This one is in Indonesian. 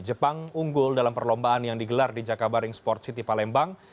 jepang unggul dalam perlombaan yang digelar di jakabaring sport city palembang